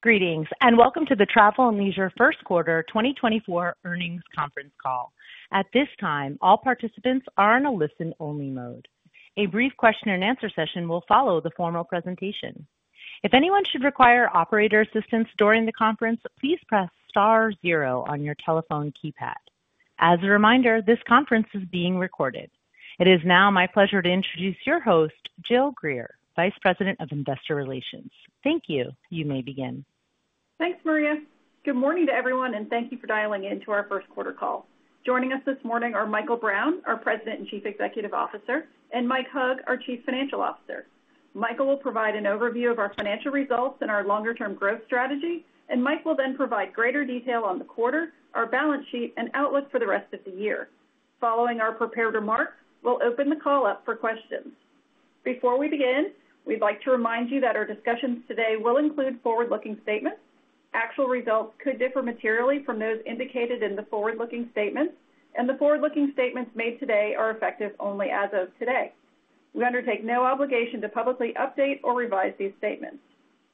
Greetings and welcome to the Travel + Leisure First Quarter 2024 earnings conference call. At this time, all participants are in a listen-only mode. A brief question-and-answer session will follow the formal presentation. If anyone should require operator assistance during the conference, please press star 0 on your telephone keypad. As a reminder, this conference is being recorded. It is now my pleasure to introduce your host, Jill Greer, Vice President of Investor Relations. Thank you. You may begin. Thanks, Maria. Good morning to everyone, and thank you for dialing into our first quarter call. Joining us this morning are Michael Brown, our President and Chief Executive Officer, and Mike Hug, our Chief Financial Officer. Michael will provide an overview of our financial results and our longer-term growth strategy, and Mike will then provide greater detail on the quarter, our balance sheet, and outlook for the rest of the year. Following our prepared remarks, we'll open the call up for questions. Before we begin, we'd like to remind you that our discussions today will include forward-looking statements. Actual results could differ materially from those indicated in the forward-looking statements, and the forward-looking statements made today are effective only as of today. We undertake no obligation to publicly update or revise these statements.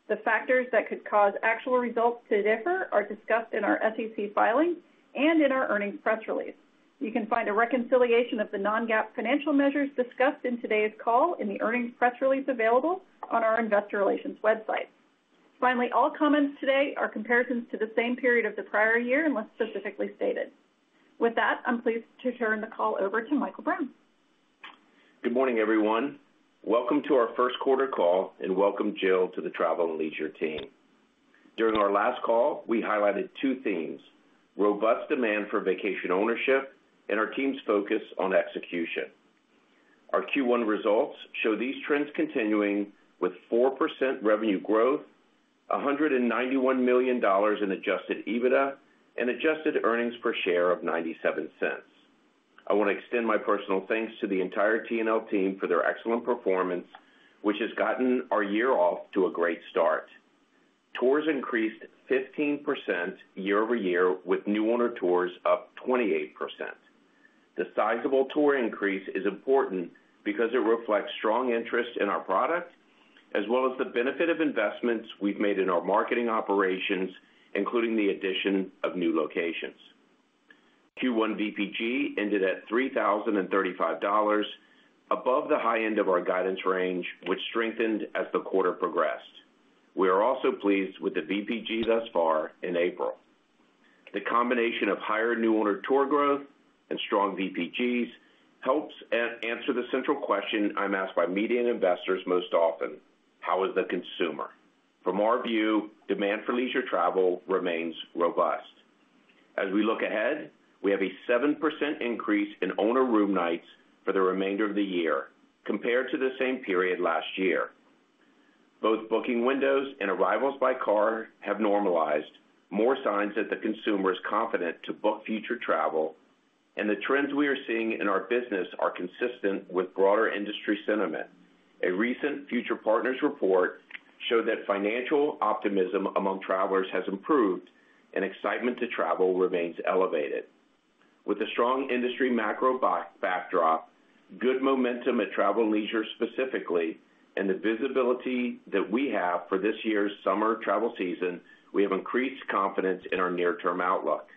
The factors that could cause actual results to differ are discussed in our SEC filing and in our earnings press release. You can find a reconciliation of the non-GAAP financial measures discussed in today's call in the earnings press release available on our Investor Relations website. Finally, all comments today are comparisons to the same period of the prior year unless specifically stated. With that, I'm pleased to turn the call over to Michael Brown. Good morning, everyone. Welcome to our first quarter call, and welcome, Jill, to the Travel + Leisure team. During our last call, we highlighted two themes: robust demand for vacation ownership and our team's focus on execution. Our Q1 results show these trends continuing with 4% revenue growth, $191 million in Adjusted EBITDA, and Adjusted Earnings Per Share of 0.97. I want to extend my personal thanks to the entire TNL team for their excellent performance, which has gotten our year off to a great start. Tours increased 15% year-over-year, with new owner tours up 28%. The sizable tour increase is important because it reflects strong interest in our product as well as the benefit of investments we've made in our marketing operations, including the addition of new locations. Q1 VPG ended at $3,035, above the high end of our guidance range, which strengthened as the quarter progressed. We are also pleased with the VPG thus far in April. The combination of higher new owner tour growth and strong VPGs helps answer the central question I'm asked by media and investors most often: how is the consumer? From our view, demand for leisure travel remains robust. As we look ahead, we have a 7% increase in owner room nights for the remainder of the year compared to the same period last year. Both booking windows and arrivals by car have normalized, more signs that the consumer is confident to book future travel, and the trends we are seeing in our business are consistent with broader industry sentiment. A recent Future Partners report showed that financial optimism among travelers has improved, and excitement to travel remains elevated. With a strong industry macro backdrop, good momentum at Travel + Leisure specifically, and the visibility that we have for this year's summer travel season, we have increased confidence in our near-term outlook.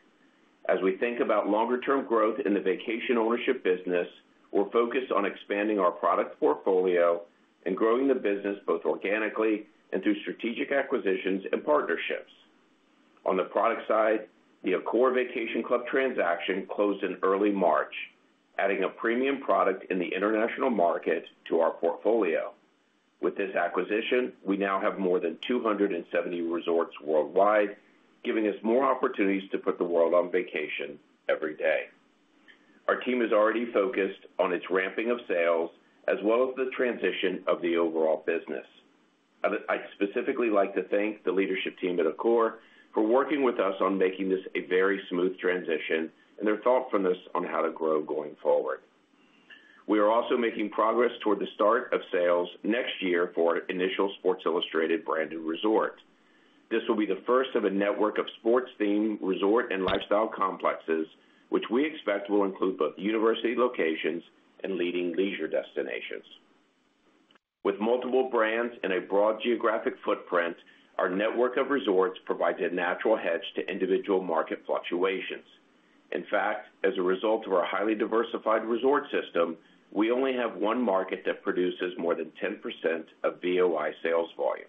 As we think about longer-term growth in the vacation ownership business, we're focused on expanding our product portfolio and growing the business both organically and through strategic acquisitions and partnerships. On the product side, the Accor Vacation Club transaction closed in early March, adding a premium product in the international market to our portfolio. With this acquisition, we now have more than 270 resorts worldwide, giving us more opportunities to put the world on vacation every day. Our team is already focused on it's ramping of sales as well as the transition of the overall business. I'd specifically like to thank the leadership team at Accor for working with us on making this a very smooth transition and their thoughtfulness on how to grow going forward. We are also making progress toward the start of sales next year for our initial Sports Illustrated branded resort. This will be the first of a network of sports-themed resort and lifestyle complexes, which we expect will include both university locations and leading leisure destinations. With multiple brands and a broad geographic footprint, our network of resorts provides a natural hedge to individual market fluctuations. In fact, as a result of our highly diversified resort system, we only have one market that produces more than 10% of VOI sales volume.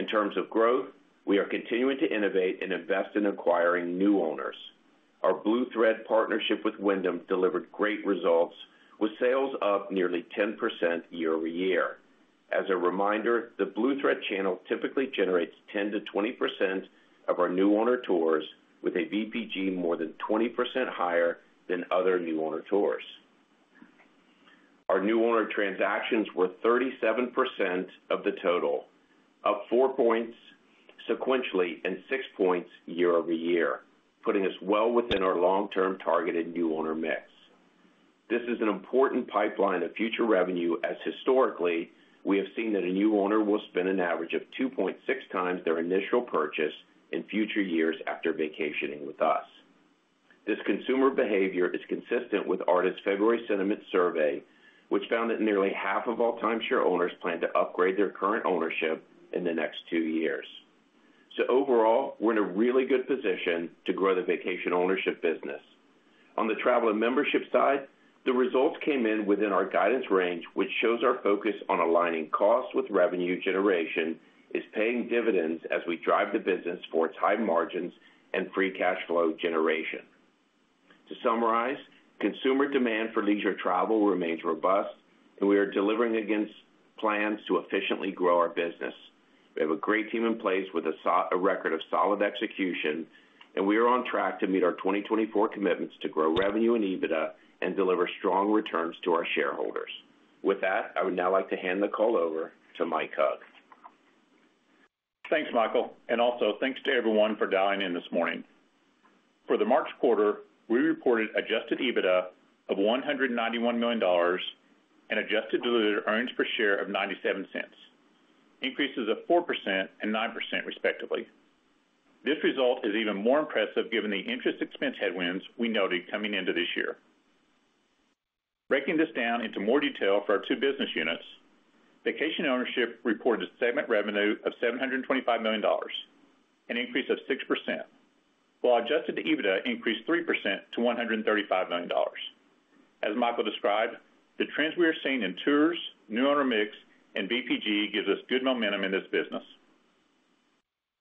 In terms of growth, we are continuing to innovate and invest in acquiring new owners. Our Blue Thread partnership with Wyndham delivered great results, with sales up nearly 10% year-over-year. As a reminder, the Blue Thread channel typically generates 10%-20% of our new owner tours, with a VPG more than 20% higher than other new owner tours. Our new owner transactions were 37% of the total, up 4 points sequentially and 6 points year-over-year, putting us well within our long-term targeted new owner mix. This is an important pipeline of future revenue, as historically, we have seen that a new owner will spend an average of 2.6x their initial purchase in future years after vacationing with us. This consumer behavior is consistent with ARDA's February sentiment survey, which found that nearly half of all timeshare owners plan to upgrade their current ownership in the next two years. So overall, we're in a really good position to grow the vacation ownership business. On the travel and membership side, the results came in within our guidance range, which shows our focus on aligning cost with revenue generation is paying dividends as we drive the business for its high margins and free cash flow generation. To summarize, consumer demand for leisure travel remains robust, and we are delivering against plans to efficiently grow our business. We have a great team in place with a record of solid execution, and we are on track to meet our 2024 commitments to grow revenue and EBITDA and deliver strong returns to our shareholders. With that, I would now like to hand the call over to Mike Hug. Thanks, Michael. Also thanks to everyone for dialing in this morning. For the March quarter, we reported Adjusted EBITDA of $191 million and Adjusted Diluted Earnings Per Share of 0.97, increases of 4% and 9% respectively. This result is even more impressive given the interest expense headwinds we noted coming into this year. Breaking this down into more detail for our two business units, Vacation Ownership reported a segment revenue of $725 million, an increase of 6%, while Adjusted EBITDA increased 3% to $135 million. As Michael described, the trends we are seeing in tours, new owner mix, and VPG gives us good momentum in this business.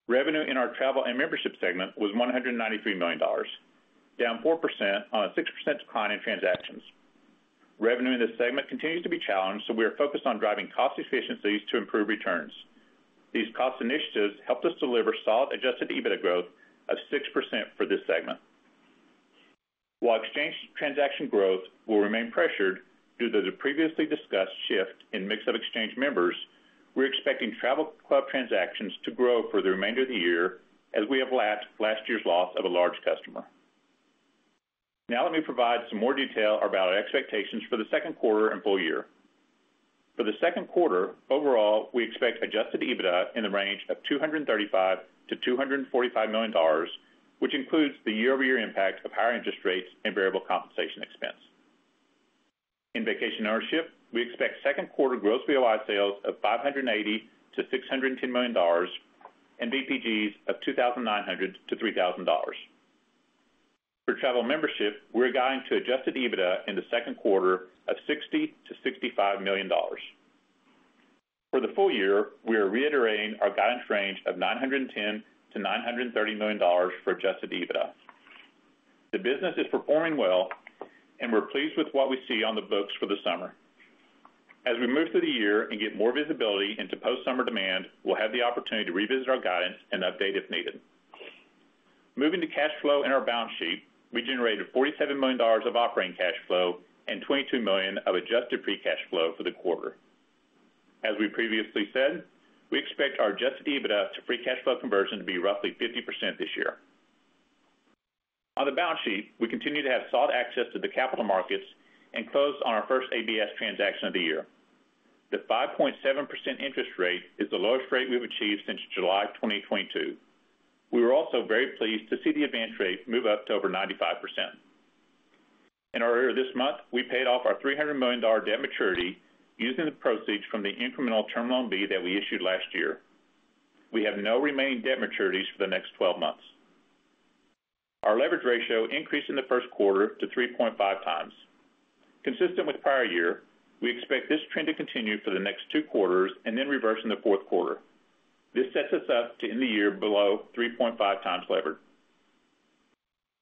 Revenue in our Travel and Membership segment was $193 million, down 4% on a 6% decline in transactions. Revenue in this segment continues to be challenged, so we are focused on driving cost efficiencies to improve returns. These cost initiatives helped us deliver solid Adjusted EBITDA growth of 6% for this segment. While exchange transaction growth will remain pressured due to the previously discussed shift in mix of exchange members, we're expecting travel club transactions to grow for the remainder of the year as we have lapped last year's loss of a large customer. Now let me provide some more detail about our expectations for the second quarter and full year. For the second quarter, overall, we expect Adjusted EBITDA in the range of $235-$245 million, which includes the year-over-year impact of higher interest rates and variable compensation expense. In vacation ownership, we expect second quarter gross VOI sales of $580-$610 million and VPGs of $2,900-$3,000. For travel membership, we're guiding to Adjusted EBITDA in the second quarter of $60-$65 million. For the full year, we are reiterating our guidance range of $910-$930 million for Adjusted EBITDA. The business is performing well, and we're pleased with what we see on the books for the summer. As we move through the year and get more visibility into post-summer demand, we'll have the opportunity to revisit our guidance and update if needed. Moving to cash flow in our balance sheet, we generated $47 million of operating cash flow and $22 million of Adjusted Free Cash Flow for the quarter. As we previously said, we expect our Adjusted EBITDA to free cash flow conversion to be roughly 50% this year. On the balance sheet, we continue to have solid access to the capital markets and closed on our first ABS transaction of the year. The 5.7% interest rate is the lowest rate we've achieved since July 2022. We were also very pleased to see the advance rate move up to over 95%. Earlier this month, we paid off our $300 million debt maturity using the proceeds from the incremental Term Loan B that we issued last year. We have no remaining debt maturities for the next 12 months. Our leverage ratio increased in the first quarter to 3.5 times. Consistent with prior year, we expect this trend to continue for the next two quarters and then reverse in the fourth quarter. This sets us up to end the year below 3.5 times levered.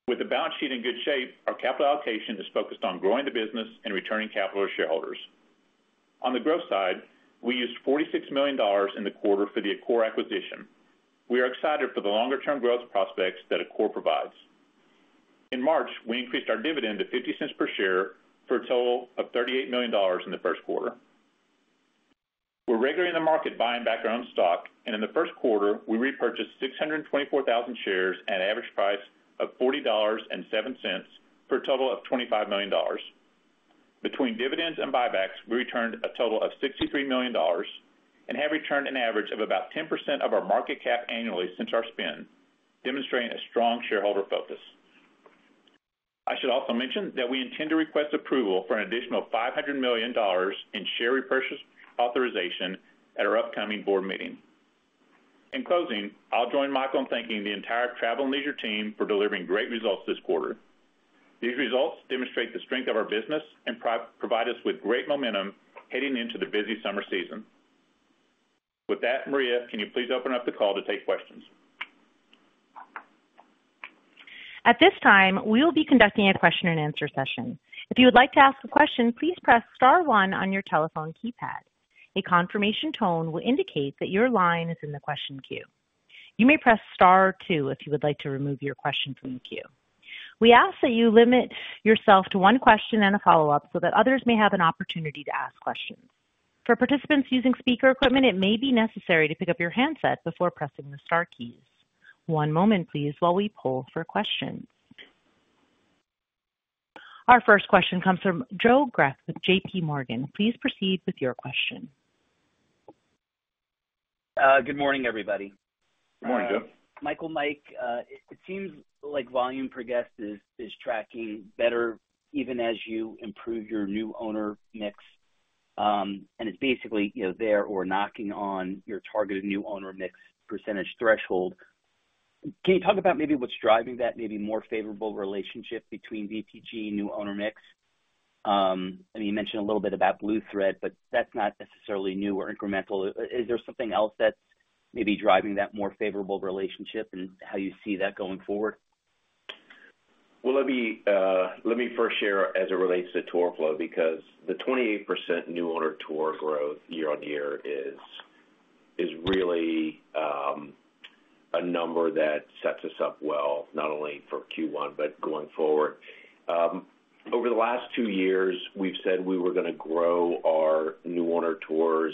With the balance sheet in good shape, our capital allocation is focused on growing the business and returning capital to shareholders. On the growth side, we used $46 million in the quarter for the Accor acquisition. We are excited for the longer-term growth prospects that Accor provides. In March, we increased our dividend to $0.50 per share for a total of $38 million in the first quarter. We're regularly in the market buying back our own stock, and in the first quarter, we repurchased 624,000 shares at an average price of $40.07 for a total of $25 million. Between dividends and buybacks, we returned a total of $63 million and have returned an average of about 10% of our market cap annually since our spin, demonstrating a strong shareholder focus. I should also mention that we intend to request approval for an additional $500 million in share repurchase authorization at our upcoming board meeting. In closing, I'll join Michael in thanking the entire Travel + Leisure team for delivering great results this quarter. These results demonstrate the strength of our business and provide us with great momentum heading into the busy summer season. With that, Maria, can you please open up the call to take questions? At this time, we will be conducting a question-and-answer session. If you would like to ask a question, please press star 1 on your telephone keypad. A confirmation tone will indicate that your line is in the question queue. You may press star 2 if you would like to remove your question from the queue. We ask that you limit yourself to one question and a follow-up so that others may have an opportunity to ask questions. For participants using speaker equipment, it may be necessary to pick up your handset before pressing the star keys. One moment, please, while we pull for questions. Our first question comes from Joe Greff with JPMorgan. Please proceed with your question. Good morning, everybody. Good morning, Joe. Michael, Mike, it seems like volume per guest is tracking better even as you improve your new owner mix, and it's basically there or knocking on your targeted new owner mix percentage threshold. Can you talk about maybe what's driving that maybe more favorable relationship between VPG and new owner mix? I mean, you mentioned a little bit about Blue Thread, but that's not necessarily new or incremental. Is there something else that's maybe driving that more favorable relationship and how you see that going forward? Well, let me first share as it relates to tour flow because the 28% new owner tour growth year-over-year is really a number that sets us up well, not only for Q1 but going forward. Over the last two years, we've said we were going to grow our new owner tours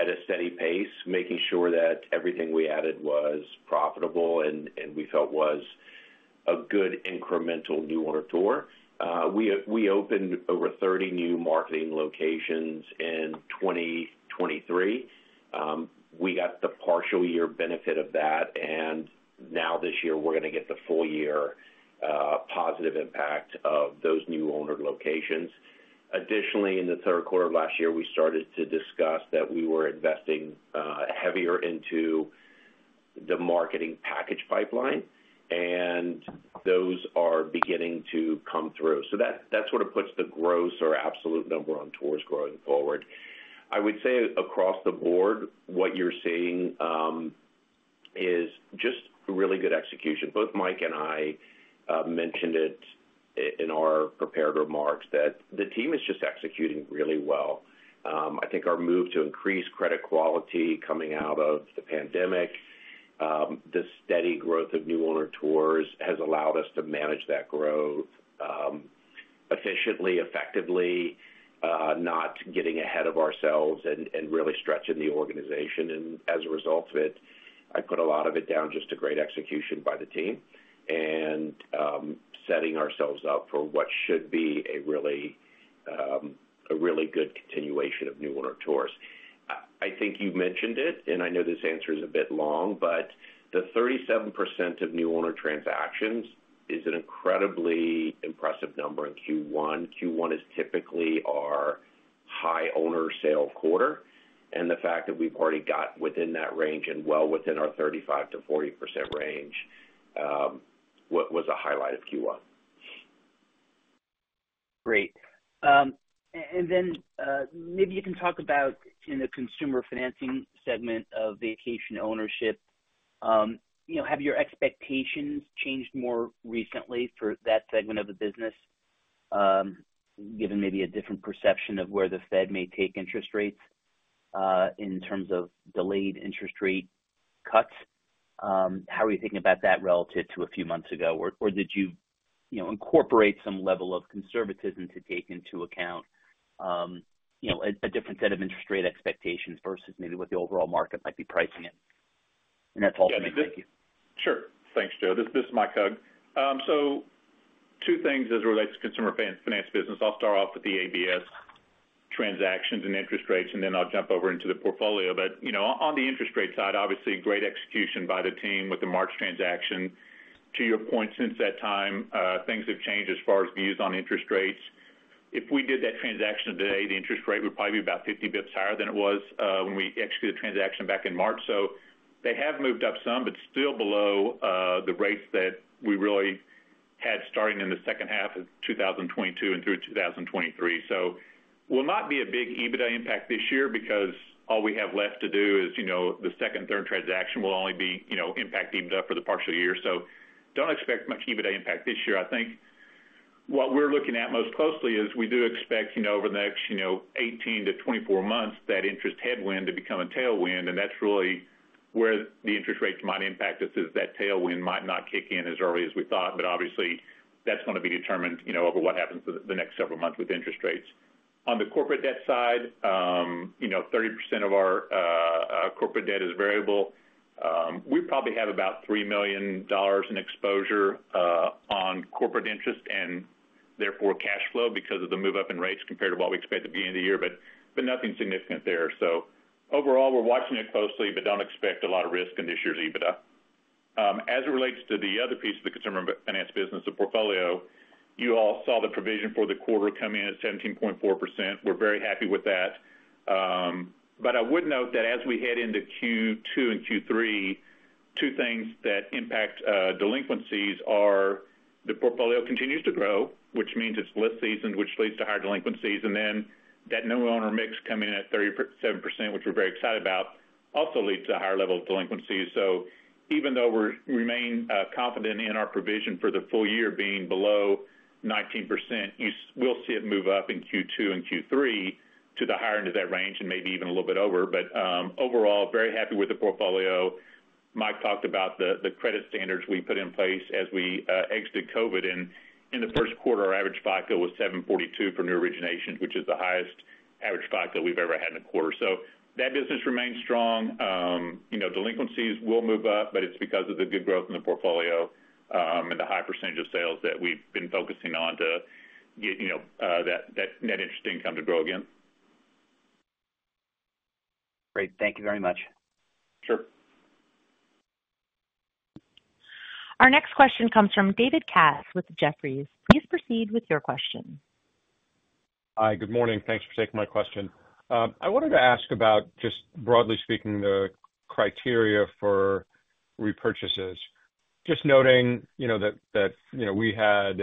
at a steady pace, making sure that everything we added was profitable and we felt was a good incremental new owner tour. We opened over 30 new marketing locations in 2023. We got the partial year benefit of that, and now this year, we're going to get the full year positive impact of those new owner locations. Additionally, in the third quarter of last year, we started to discuss that we were investing heavier into the marketing package pipeline, and those are beginning to come through. So that's what puts the gross or absolute number on tours growing forward. I would say across the board, what you're seeing is just really good execution. Both Mike and I mentioned it in our prepared remarks that the team is just executing really well. I think our move to increase credit quality coming out of the pandemic, the steady growth of new owner tours, has allowed us to manage that growth efficiently, effectively, not getting ahead of ourselves and really stretching the organization. And as a result of it, I put a lot of it down just to great execution by the team and setting ourselves up for what should be a really good continuation of new owner tours. I think you mentioned it, and I know this answer is a bit long, but the 37% of new owner transactions is an incredibly impressive number in Q1. Q1 is typically our high owner sale quarter, and the fact that we've already got within that range and well within our 35%-40% range was a highlight of Q1. Great. And then maybe you can talk about in the consumer financing segment of vacation ownership, have your expectations changed more recently for that segment of the business, given maybe a different perception of where the Fed may take interest rates in terms of delayed interest rate cuts? How are you thinking about that relative to a few months ago, or did you incorporate some level of conservatism to take into account a different set of interest rate expectations versus maybe what the overall market might be pricing it? And that's all from me. Thank you. Sure. Thanks, Joe. This is Mike Hug. So two things as it relates to consumer finance business. I'll start off with the ABS transactions and interest rates, and then I'll jump over into the portfolio. But on the interest rate side, obviously, great execution by the team with the March transaction. To your point, since that time, things have changed as far as views on interest rates. If we did that transaction today, the interest rate would probably be about 50 basis points higher than it was when we executed the transaction back in March. So they have moved up some, but still below the rates that we really had starting in the second half of 2022 and through 2023. So will not be a big EBITDA impact this year because all we have left to do is the second, third transaction will only impact EBITDA for the partial year. So don't expect much EBITDA impact this year. I think what we're looking at most closely is we do expect over the next 18-24 months that interest headwind to become a tailwind. And that's really where the interest rates might impact us is that tailwind might not kick in as early as we thought. But obviously, that's going to be determined over what happens in the next several months with interest rates. On the corporate debt side, 30% of our corporate debt is variable. We probably have about $3 million in exposure on corporate interest and therefore cash flow because of the move-up in rates compared to what we expect at the beginning of the year, but nothing significant there. So overall, we're watching it closely, but don't expect a lot of risk in this year's EBITDA. As it relates to the other piece of the consumer finance business, the portfolio, you all saw the provision for the quarter come in at 17.4%. We're very happy with that. But I would note that as we head into Q2 and Q3, two things that impact delinquencies are the portfolio continues to grow, which means it's less seasoned, which leads to higher delinquencies. And then that new owner mix coming in at 37%, which we're very excited about, also leads to a higher level of delinquencies. So even though we remain confident in our provision for the full year being below 19%, we'll see it move up in Q2 and Q3 to the higher end of that range and maybe even a little bit over. But overall, very happy with the portfolio. Mike talked about the credit standards we put in place as we exited COVID. In the first quarter, our average FICO was 742 for new originations, which is the highest average FICO we've ever had in a quarter. So that business remains strong. Delinquencies will move up, but it's because of the good growth in the portfolio and the high percentage of sales that we've been focusing on to get that net interest income to grow again. Great. Thank you very much. Sure. Our next question comes from David Katz with Jefferies. Please proceed with your question. Hi. Good morning. Thanks for taking my question. I wanted to ask about, just broadly speaking, the criteria for repurchases. Just noting that we had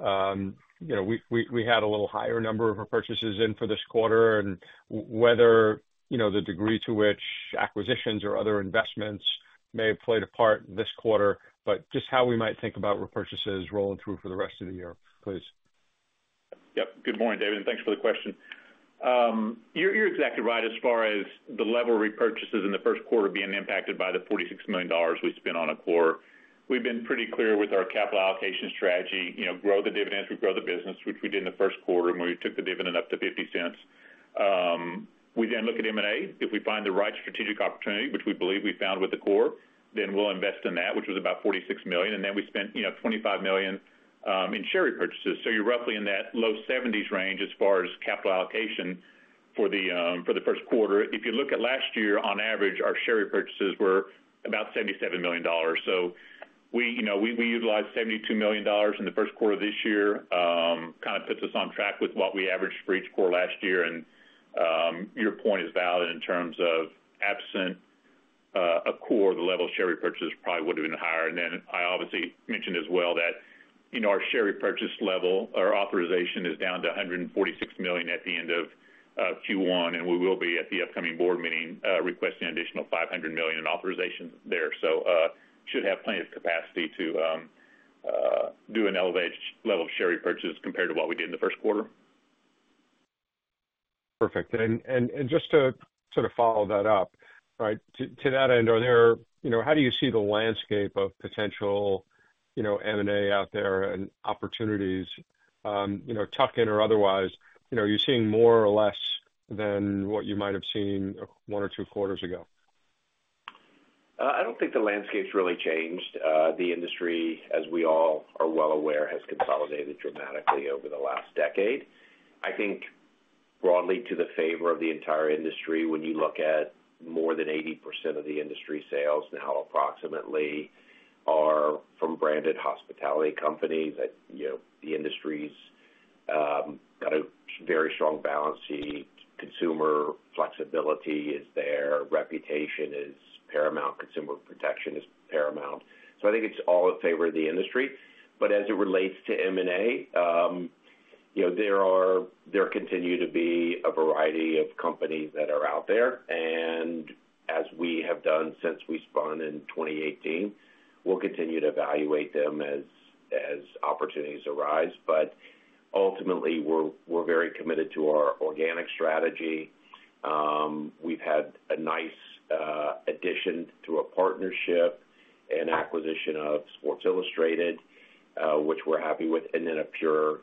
a little higher number of repurchases in for this quarter and whether the degree to which acquisitions or other investments may have played a part this quarter, but just how we might think about repurchases rolling through for the rest of the year, please? Yep. Good morning, David, and thanks for the question. You're exactly right as far as the level repurchases in the first quarter being impacted by the $46 million we spent on Accor. We've been pretty clear with our capital allocation strategy. Grow the dividends, we grow the business, which we did in the first quarter when we took the dividend up to $0.50. We then look at M&A. If we find the right strategic opportunity, which we believe we found with Accor, then we'll invest in that, which was about $46 million. And then we spent $25 million in share repurchases. So you're roughly in that low 70s range as far as capital allocation for the first quarter. If you look at last year, on average, our share repurchases were about $77 million. So we utilized $72 million in the first quarter of this year. Kind of puts us on track with what we averaged for each quarter last year. And your point is valid in terms of absent Accor, the level of share repurchase probably would have been higher. And then I obviously mentioned as well that our share repurchase level, our authorization, is down to $146 million at the end of Q1, and we will be at the upcoming board meeting requesting an additional $500 million in authorization there. So should have plenty of capacity to do an elevated level of share repurchase compared to what we did in the first quarter. Perfect. Just to sort of follow that up, right, to that end, how do you see the landscape of potential M&A out there and opportunities, tuck-in or otherwise? Are you seeing more or less than what you might have seen one or two quarters ago? I don't think the landscape's really changed. The industry, as we all are well aware, has consolidated dramatically over the last decade. I think broadly to the favor of the entire industry, when you look at more than 80% of the industry sales now approximately are from branded hospitality companies. The industry's got a very strong balance sheet. Consumer flexibility is there. Reputation is paramount. Consumer protection is paramount. So I think it's all in favor of the industry. But as it relates to M&A, there continue to be a variety of companies that are out there. And as we have done since we spun in 2018, we'll continue to evaluate them as opportunities arise. But ultimately, we're very committed to our organic strategy. We've had a nice addition through a partnership and acquisition of Sports Illustrated, which we're happy with, and then a pure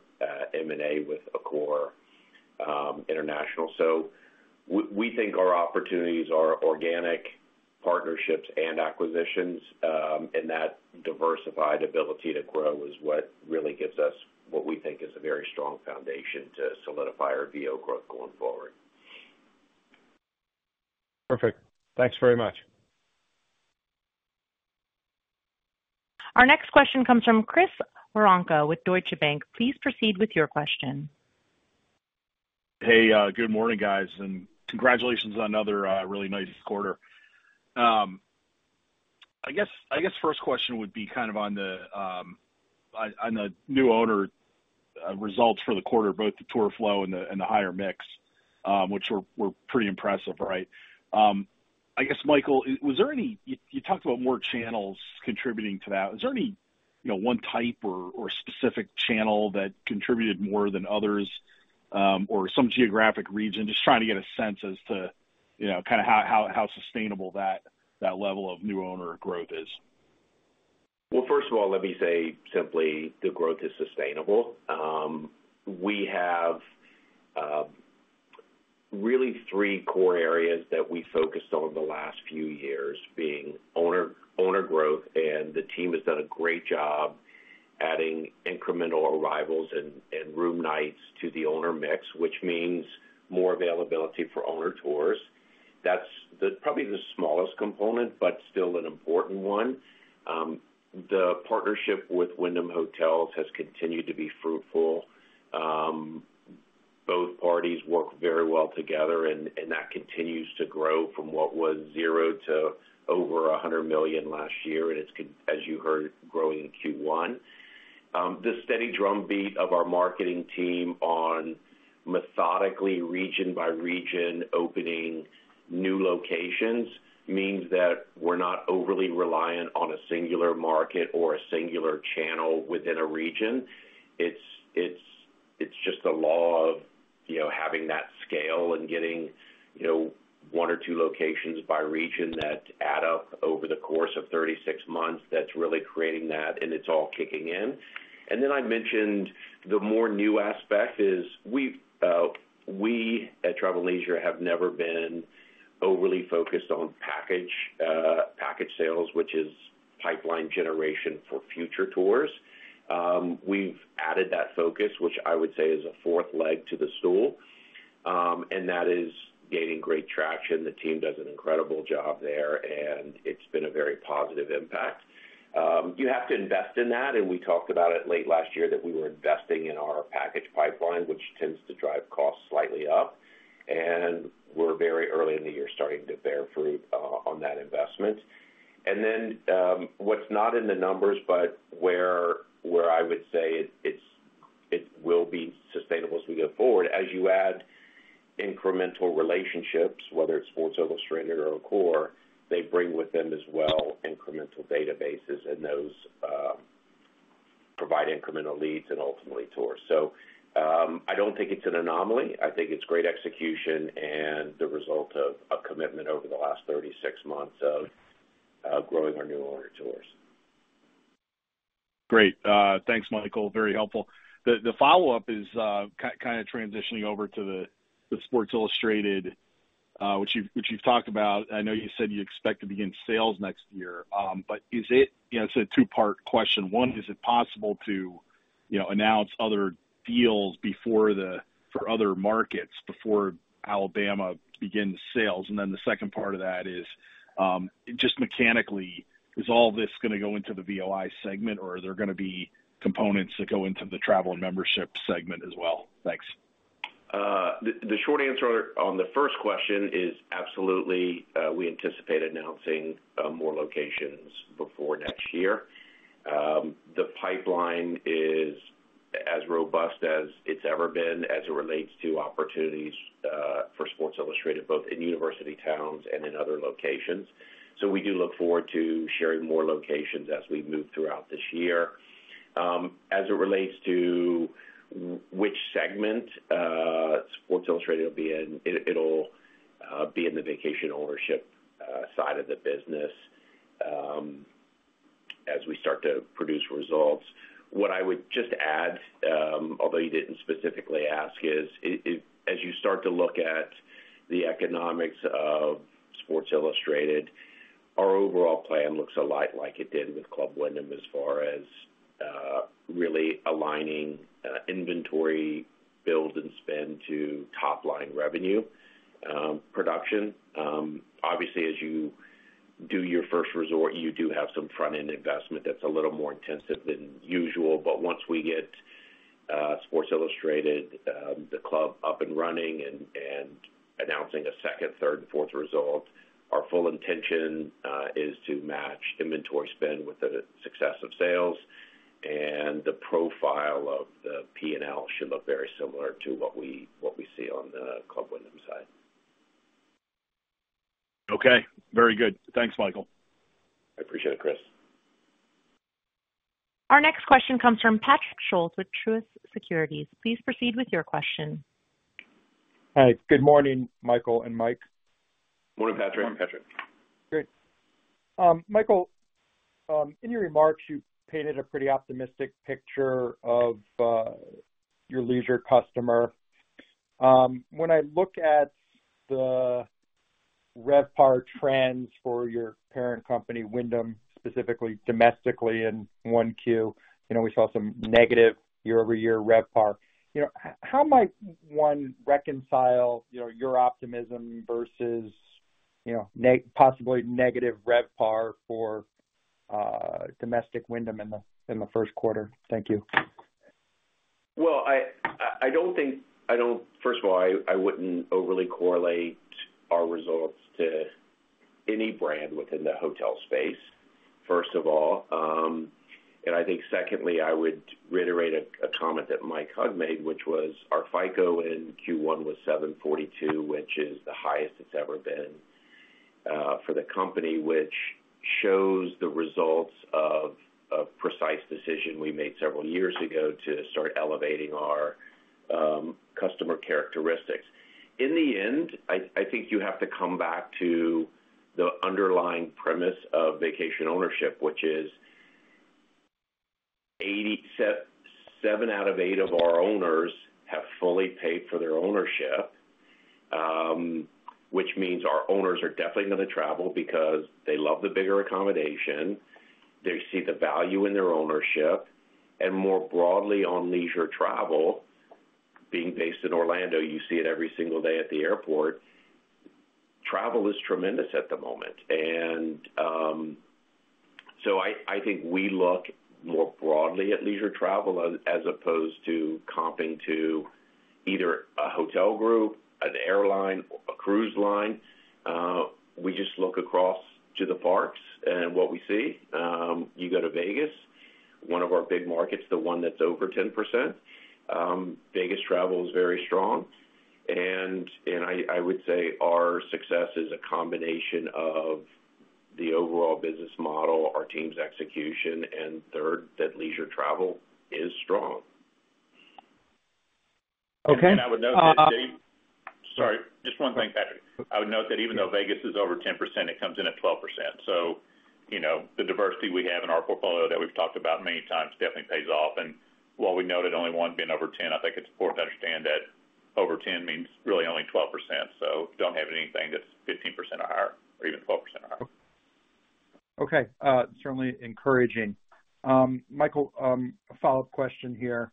M&A with Accor. We think our opportunities are organic partnerships and acquisitions, and that diversified ability to grow is what really gives us what we think is a very strong foundation to solidify our VO growth going forward. Perfect. Thanks very much. Our next question comes from Chris Woronka with Deutsche Bank. Please proceed with your question. Hey, good morning, guys. Congratulations on another really nice quarter. I guess first question would be kind of on the new owner results for the quarter, both the tour flow and the higher mix, which were pretty impressive, right? I guess, Michael, you talked about more channels contributing to that. Is there any one type or specific channel that contributed more than others or some geographic region, just trying to get a sense as to kind of how sustainable that level of new owner growth is? Well, first of all, let me say simply the growth is sustainable. We have really three core areas that we focused on the last few years being owner growth. And the team has done a great job adding incremental arrivals and room nights to the owner mix, which means more availability for owner tours. That's probably the smallest component, but still an important one. The partnership with Wyndham Hotels has continued to be fruitful. Both parties work very well together, and that continues to grow from what was $0 to over $100 million last year. And it's, as you heard, growing in Q1. The steady drumbeat of our marketing team on methodically, region by region, opening new locations means that we're not overly reliant on a singular market or a singular channel within a region. It's just the law of having that scale and getting one or two locations by region that add up over the course of 36 months that's really creating that, and it's all kicking in. And then I mentioned the more new aspect is we at Travel + Leisure have never been overly focused on package sales, which is pipeline generation for future tours. We've added that focus, which I would say is a fourth leg to the stool, and that is gaining great traction. The team does an incredible job there, and it's been a very positive impact. You have to invest in that. And we talked about it late last year that we were investing in our package pipeline, which tends to drive costs slightly up. And we're very early in the year starting to bear fruit on that investment. And then what's not in the numbers, but where I would say it will be sustainable as we go forward, as you add incremental relationships, whether it's Sports Illustrated or Accor, they bring with them as well incremental databases, and those provide incremental leads and ultimately tours. So I don't think it's an anomaly. I think it's great execution and the result of a commitment over the last 36 months of growing our new owner tours. Great. Thanks, Michael. Very helpful. The follow-up is kind of transitioning over to the Sports Illustrated, which you've talked about. I know you said you expect to begin sales next year, but it's a two-part question. One, is it possible to announce other deals for other markets before Alabama begins sales? And then the second part of that is, just mechanically, is all this going to go into the VOI segment, or are there going to be components that go into the travel and membership segment as well? Thanks. The short answer on the first question is absolutely. We anticipate announcing more locations before next year. The pipeline is as robust as it's ever been as it relates to opportunities for Sports Illustrated, both in university towns and in other locations. So we do look forward to sharing more locations as we move throughout this year. As it relates to which segment Sports Illustrated will be in, it'll be in the vacation ownership side of the business as we start to produce results. What I would just add, although you didn't specifically ask, is as you start to look at the economics of Sports Illustrated, our overall plan looks a lot like it did with Club Wyndham as far as really aligning inventory build and spend to top-line revenue production. Obviously, as you do your first resort, you do have some front-end investment that's a little more intensive than usual. But once we get Sports Illustrated, the club, up and running and announcing a second, third, and fourth resort, our full intention is to match inventory spend with the success of sales. And the profile of the P&L should look very similar to what we see on the Club Wyndham side. Okay. Very good. Thanks, Michael. I appreciate it, Chris. Our next question comes from Patrick Scholes with Truist Securities. Please proceed with your question. Hi. Good morning, Michael and Mike. Morning, Patrick. Good morning, Patrick. Good. Michael, in your remarks, you painted a pretty optimistic picture of your leisure customer. When I look at the RevPAR trends for your parent company, Wyndham, specifically domestically in 1Q, we saw some negative year-over-year RevPAR. How might one reconcile your optimism versus possibly negative RevPAR for domestic Wyndham in the first quarter? Thank you. Well, I don't think, first of all, I wouldn't overly correlate our results to any brand within the hotel space, first of all. I think secondly, I would reiterate a comment that Mike Hug made, which was our FICO in Q1 was 742, which is the highest it's ever been for the company, which shows the results of a precise decision we made several years ago to start elevating our customer characteristics. In the end, I think you have to come back to the underlying premise of vacation ownership, which is seven out of eight of our owners have fully paid for their ownership, which means our owners are definitely going to travel because they love the bigger accommodation. They see the value in their ownership. More broadly on leisure travel, being based in Orlando, you see it every single day at the airport. Travel is tremendous at the moment. And so I think we look more broadly at leisure travel as opposed to comping to either a hotel group, an airline, or a cruise line. We just look across to the parks and what we see. You go to Vegas, one of our big markets, the one that's over 10%. Vegas travel is very strong. And I would say our success is a combination of the overall business model, our team's execution, and third, that leisure travel is strong. Okay. I would note that, sorry. Just one thing, Patrick. I would note that even though Vegas is over 10%, it comes in at 12%. So the diversity we have in our portfolio that we've talked about many times definitely pays off. And while we noted only one being over 10, I think it's important to understand that over 10 means really only 12%. So don't have anything that's 15% or higher or even 12% or higher. Okay. Certainly encouraging. Michael, follow-up question here.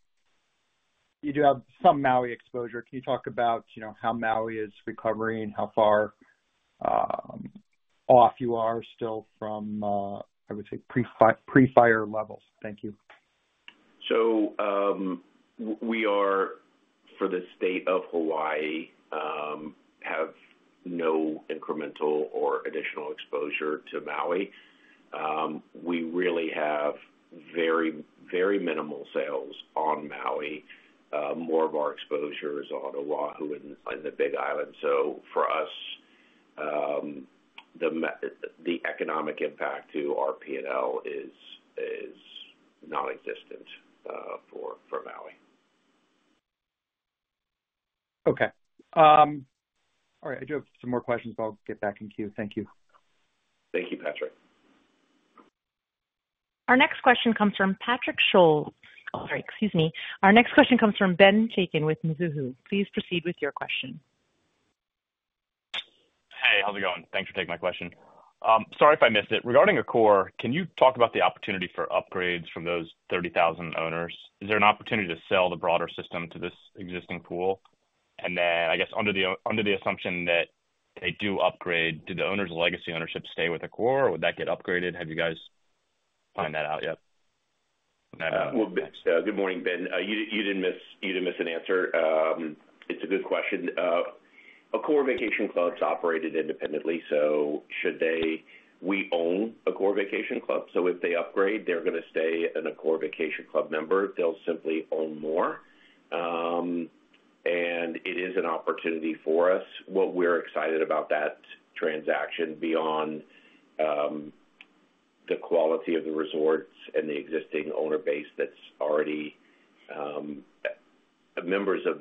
You do have some Maui exposure. Can you talk about how Maui is recovering, how far off you are still from, I would say, pre-fire levels? Thank you. So we are, for the state of Hawaii, have no incremental or additional exposure to Maui. We really have very, very minimal sales on Maui. More of our exposure is on Oahu and the Big Island. So for us, the economic impact to our P&L is nonexistent for Maui. Okay. All right. I do have some more questions, but I'll get back in Q. Thank you. Thank you, Patrick. Our next question comes from Patrick Scholes, sorry, excuse me. Our next question comes from Ben Chaiken with Mizuho. Please proceed with your question. Hey, how's it going? Thanks for taking my question. Sorry if I missed it. Regarding Accor, can you talk about the opportunity for upgrades from those 30,000 owners? Is there an opportunity to sell the broader system to this existing pool? And then, I guess, under the assumption that they do upgrade, do the owners' legacy ownership stay with Accor, or would that get upgraded? Have you guys found that out yet? Well, good morning, Ben. You did miss an answer. It's a good question. Accor Vacation Club operated independently, so we own Accor Vacation Club. So if they upgrade, they're going to stay an Accor Vacation Club member. They'll simply own more. And it is an opportunity for us. What we're excited about that transaction beyond the quality of the resorts and the existing owner base that's already members of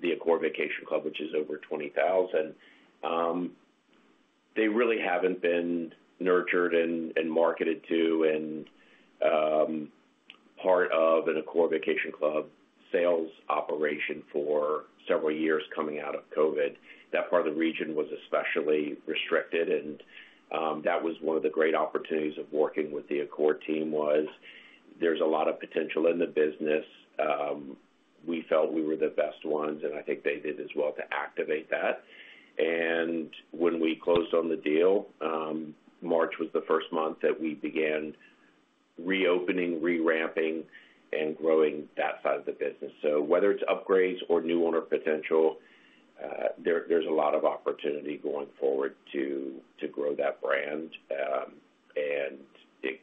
the Accor Vacation Club, which is over 20,000, they really haven't been nurtured and marketed to and part of an Accor Vacation Club sales operation for several years coming out of COVID. That part of the region was especially restricted. And that was one of the great opportunities of working with the Accor team was there's a lot of potential in the business. We felt we were the best ones, and I think they did as well to activate that. When we closed on the deal, March was the first month that we began reopening, reramping, and growing that side of the business. Whether it's upgrades or new owner potential, there's a lot of opportunity going forward to grow that brand and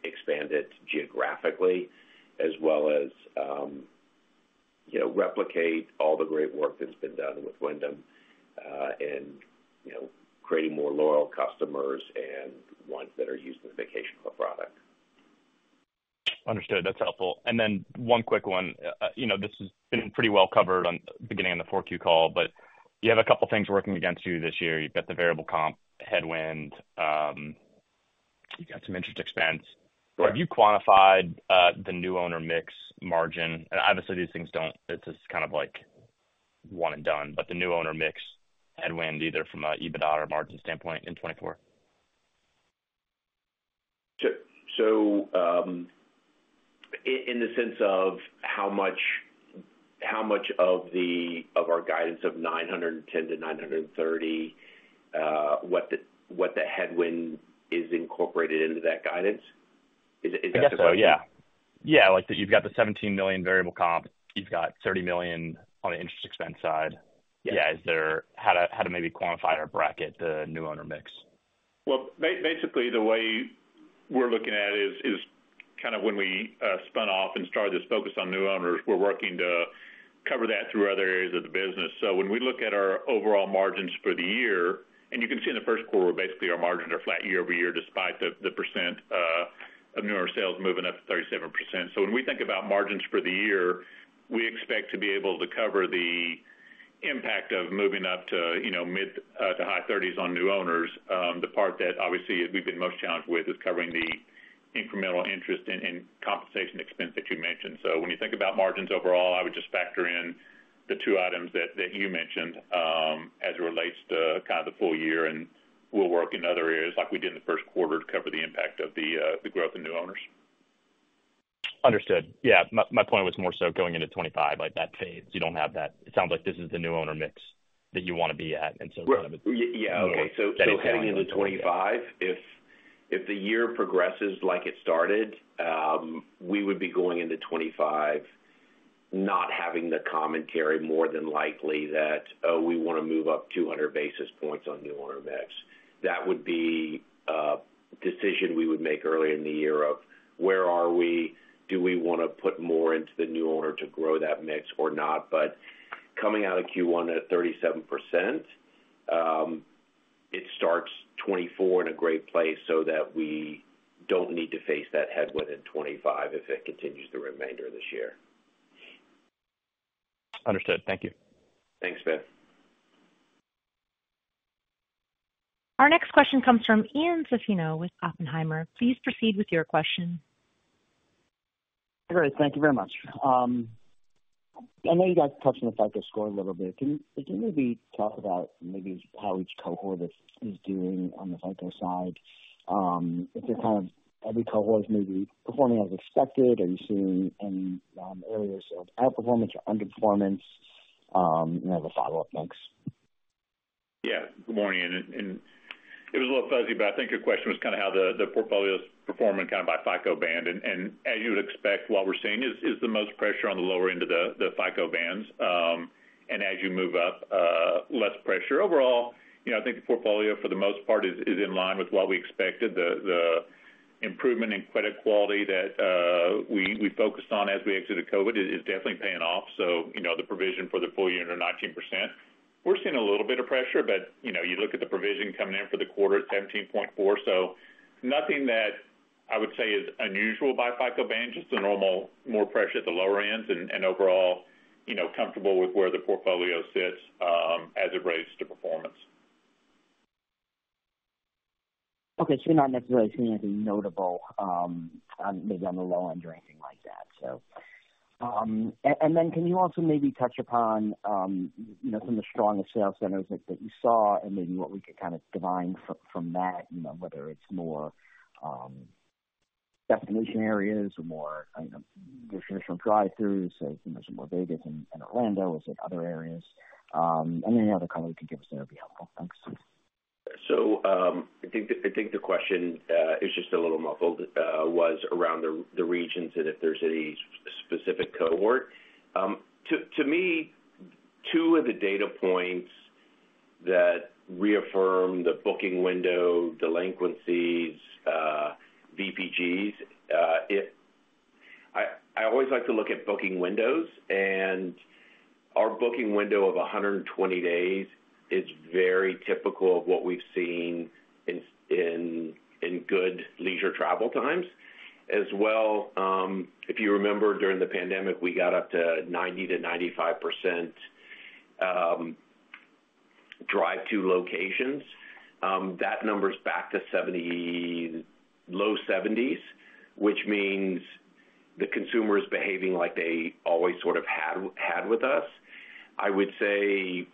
expand it geographically as well as replicate all the great work that's been done with Wyndham and creating more loyal customers and ones that are using the vacation club product. Understood. That's helpful. And then one quick one. This has been pretty well covered at the beginning of the 4Q call, but you have a couple of things working against you this year. You've got the variable comp headwind. You've got some interest expense. Have you quantified the new owner mix margin? And obviously, these things don't it's just kind of like one and done, but the new owner mix headwind, either from an EBITDA or margin standpoint in 2024? So in the sense of how much of our guidance of 910-930, what the headwind is incorporated into that guidance? Is that something you? I guess so. Yeah. Yeah. You've got the $17 million variable comp. You've got $30 million on the interest expense side. Yeah. How to maybe quantify our bracket, the new owner mix? Well, basically, the way we're looking at it is kind of when we spun off and started this focus on new owners, we're working to cover that through other areas of the business. So when we look at our overall margins for the year and you can see in the first quarter, basically, our margins are flat year-over-year despite the percent of new owner sales moving up to 37%. So when we think about margins for the year, we expect to be able to cover the impact of moving up to mid- to high-30s on new owners. The part that obviously we've been most challenged with is covering the incremental interest and compensation expense that you mentioned. So when you think about margins overall, I would just factor in the two items that you mentioned as it relates to kind of the full year. We'll work in other areas like we did in the first quarter to cover the impact of the growth of new owners. Understood. Yeah. My point was more so going into 2025, that fades. You don't have that. It sounds like this is the new owner mix that you want to be at. And so kind of it's. Yeah. Okay. So heading into 2025, if the year progresses like it started, we would be going into 2025 not having the commentary more than likely that, "Oh, we want to move up 200 basis points on new owner mix." That would be a decision we would make earlier in the year of, "Where are we? Do we want to put more into the new owner to grow that mix or not?" But coming out of Q1 at 37%, it starts 2024 in a great place so that we don't need to face that headwind in 2025 if it continues the remainder of this year. Understood. Thank you. Thanks, Ben. Our next question comes from Ian Zaffino with Oppenheimer. Please proceed with your question. Hi, guys. Thank you very much. I know you guys touched on the FICO score a little bit. Can you maybe talk about maybe how each cohort is doing on the FICO side? If you're kind of every cohort is maybe performing as expected, are you seeing any areas of outperformance or underperformance? And as a follow-up, thanks. Yeah. Good morning, Ian. And it was a little fuzzy, but I think your question was kind of how the portfolio's performing kind of by FICO band. And as you would expect, what we're seeing is the most pressure on the lower end of the FICO bands. And as you move up, less pressure. Overall, I think the portfolio for the most part is in line with what we expected. The improvement in credit quality that we focused on as we exited COVID is definitely paying off. So the provision for the full year under 19%, we're seeing a little bit of pressure, but you look at the provision coming in for the quarter, it's 17.4%. So nothing that I would say is unusual by FICO band. Just the normal more pressure at the lower ends and overall comfortable with where the portfolio sits as it relates to performance. Okay. So you're not necessarily seeing anything notable maybe on the low end or anything like that, so. And then can you also maybe touch upon some of the strongest sales centers that you saw and maybe what we could kind of divine from that, whether it's more destination areas or more drive-to's? Is it more Vegas and Orlando? Is it other areas? Any other color you can give us that would be helpful. Thanks. So I think the question is just a little muffled was around the regions and if there's any specific cohort. To me, two of the data points that reaffirm the booking window, delinquencies, VPGs, I always like to look at booking windows. And our booking window of 120 days is very typical of what we've seen in good leisure travel times. As well, if you remember, during the pandemic, we got up to 90%-95% drive-to locations. That number's back to low 70s%, which means the consumer is behaving like they always sort of had with us. I would say,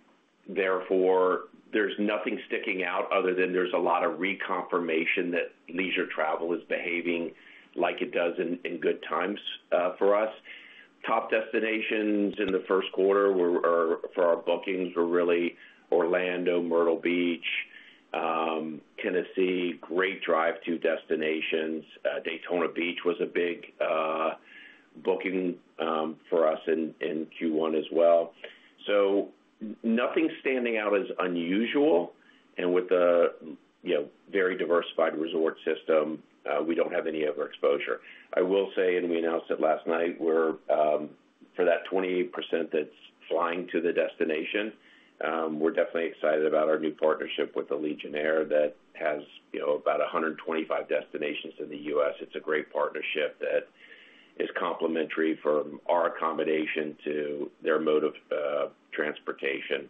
therefore, there's nothing sticking out other than there's a lot of reconfirmation that leisure travel is behaving like it does in good times for us. Top destinations in the first quarter for our bookings were really Orlando, Myrtle Beach, Tennessee, great drive-to destinations. Daytona Beach was a big booking for us in Q1 as well. So nothing standing out as unusual. And with a very diversified resort system, we don't have any over-exposure. I will say, and we announced it last night, for that 28% that's flying to the destination, we're definitely excited about our new partnership with Allegiant Air that has about 125 destinations in the U.S. It's a great partnership that is complementary from our accommodation to their mode of transportation.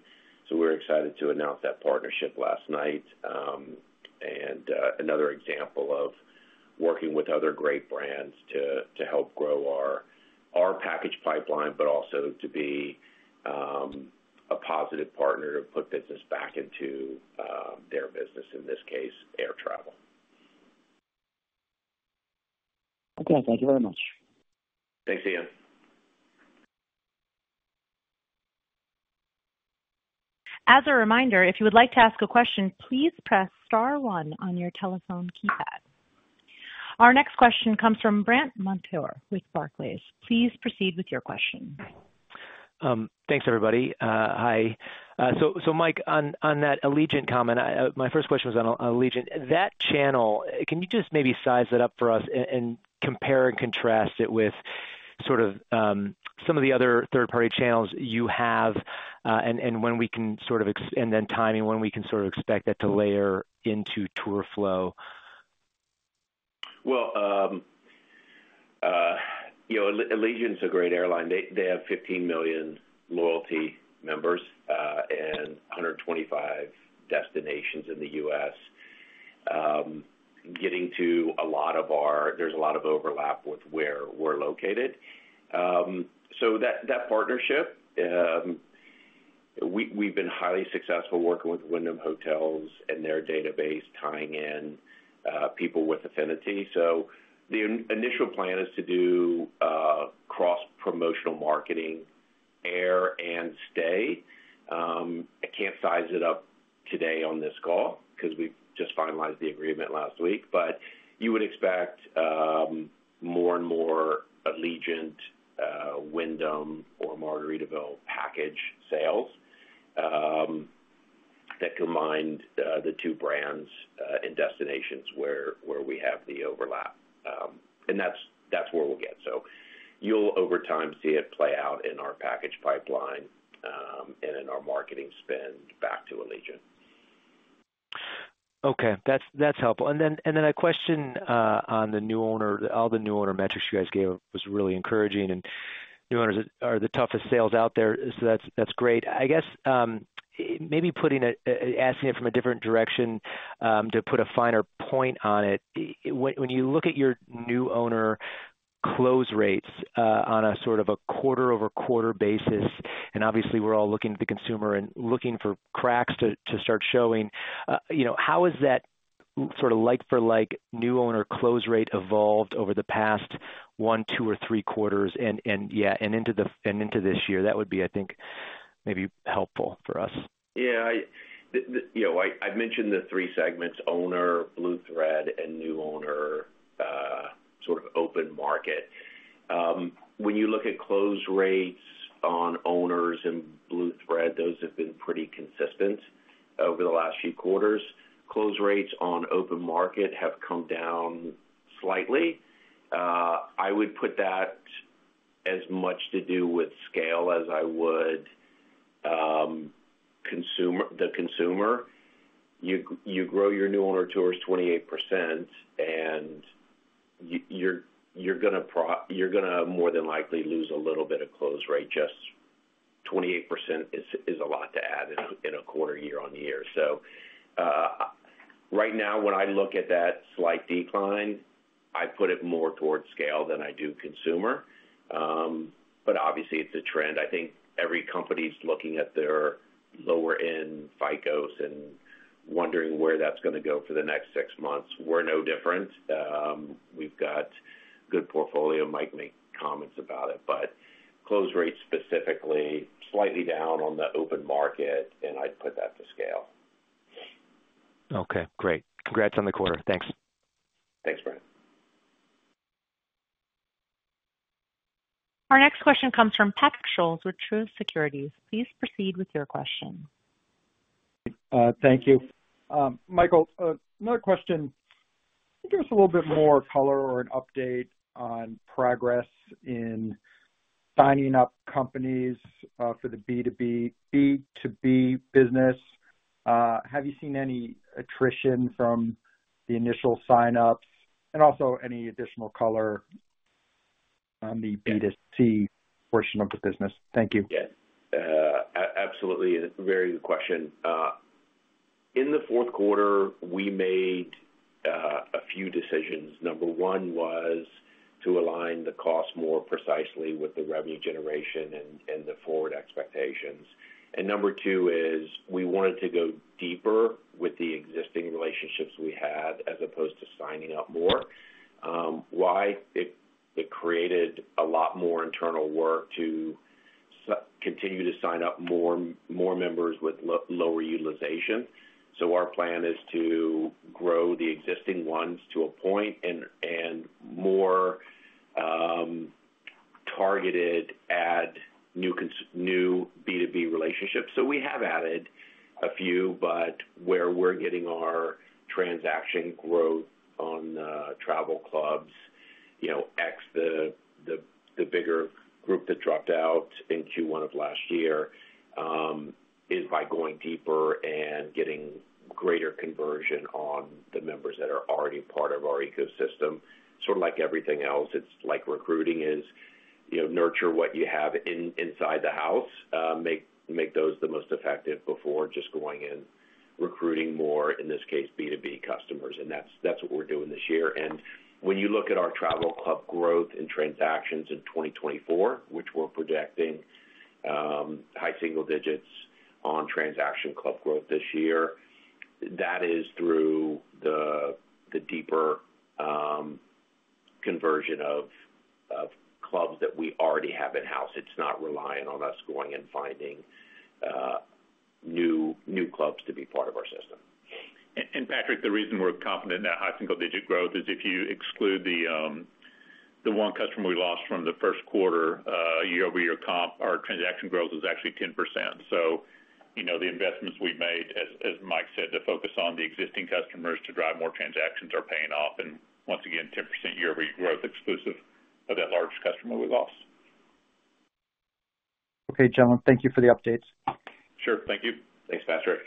So we were excited to announce that partnership last night. And another example of working with other great brands to help grow our package pipeline, but also to be a positive partner to put business back into their business, in this case, air travel. Okay. Thank you very much. Thanks, Ian. As a reminder, if you would like to ask a question, please press star 1 on your telephone keypad. Our next question comes from Brandt Montour with Barclays. Please proceed with your question. Thanks, everybody. Hi. So Mike, on that Allegiant comment, my first question was on Allegiant. That channel, can you just maybe size it up for us and compare and contrast it with sort of some of the other third-party channels you have and when we can sort of and then timing when we can sort of expect that to layer into tour flow? Well, Allegiant's a great airline. They have 15 million loyalty members and 125 destinations in the U.S. Getting to a lot of ours, there's a lot of overlap with where we're located. So that partnership, we've been highly successful working with Wyndham Hotels and their database, tying in people with affinity. So the initial plan is to do cross-promotional marketing. Air and stay. I can't size it up today on this call because we just finalized the agreement last week. But you would expect more and more Allegiant, Wyndham, or Margaritaville package sales that combine the two brands and destinations where we have the overlap. And that's where we'll get. So you'll over time see it play out in our package pipeline and in our marketing spend back to Allegiant. Okay. That's helpful. And then a question on all the new owner metrics you guys gave was really encouraging. And new owners are the toughest sales out there. So that's great. I guess maybe asking it from a different direction to put a finer point on it. When you look at your new owner close rates on a sort of a quarter-over-quarter basis and obviously, we're all looking at the consumer and looking for cracks to start showing, how has that sort of like-for-like new owner close rate evolved over the past one, two, or three quarters and, yeah, and into this year? That would be, I think, maybe helpful for us. Yeah. I've mentioned the three segments: owner, Blue Thread, and new owner, sort of open market. When you look at close rates on owners and Blue Thread, those have been pretty consistent over the last few quarters. Close rates on open market have come down slightly. I would put that as much to do with scale as I would the consumer. You grow your new owner tours 28%, and you're going to more than likely lose a little bit of close rate. Just 28% is a lot to add in a quarter year-on-year. So right now, when I look at that slight decline, I put it more towards scale than I do consumer. But obviously, it's a trend. I think every company's looking at their lower-end FICOs and wondering where that's going to go for the next six months. We're no different. We've got good portfolio. Mike made comments about it. Close rates specifically, slightly down on the open market, and I'd put that to scale. Okay. Great. Congrats on the quarter. Thanks. Thanks, Brandt. Our next question comes from Patrick Scholes with Truist Securities. Please proceed with your question. Thank you. Michael, another question. Give us a little bit more color or an update on progress in signing up companies for the B2B business. Have you seen any attrition from the initial sign-ups and also any additional color on the B2C portion of the business? Thank you. Yeah. Absolutely. Very good question. In the fourth quarter, we made a few decisions. Number one was to align the cost more precisely with the revenue generation and the forward expectations. Number two is we wanted to go deeper with the existing relationships we had as opposed to signing up more. Why? It created a lot more internal work to continue to sign up more members with lower utilization. So our plan is to grow the existing ones to a point and more targeted add new B2B relationships. So we have added a few, but where we're getting our transaction growth on travel clubs, ex the bigger group that dropped out in Q1 of last year, is by going deeper and getting greater conversion on the members that are already part of our ecosystem. Sort of like everything else, it's like recruiting is nurture what you have inside the house. Make those the most effective before just going in recruiting more, in this case, B2B customers. And that's what we're doing this year. And when you look at our travel club growth and transactions in 2024, which we're projecting high single digits on transaction club growth this year, that is through the deeper conversion of clubs that we already have in-house. It's not relying on us going and finding new clubs to be part of our system. Patrick, the reason we're confident in that high single-digit growth is if you exclude the one customer we lost from the first quarter, year-over-year comp, our transaction growth was actually 10%. The investments we've made, as Mike said, to focus on the existing customers to drive more transactions are paying off. Once again, 10% year-over-year growth exclusive of that large customer we lost. Okay, gentlemen. Thank you for the updates. Sure. Thank you. Thanks, Patrick.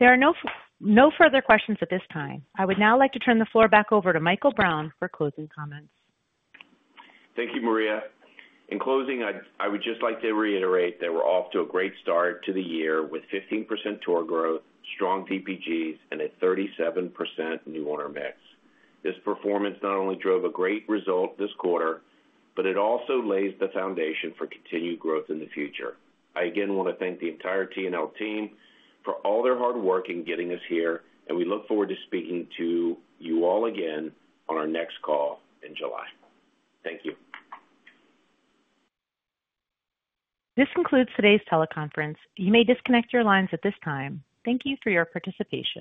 There are no further questions at this time. I would now like to turn the floor back over to Michael D. Brown for closing comments. Thank you, Maria. In closing, I would just like to reiterate that we're off to a great start to the year with 15% tour growth, strong VPGs, and a 37% new owner mix. This performance not only drove a great result this quarter, but it also lays the foundation for continued growth in the future. I again want to thank the entire TNL team for all their hard work in getting us here, and we look forward to speaking to you all again on our next call in July. Thank you. This concludes today's teleconference. You may disconnect your lines at this time. Thank you for your participation.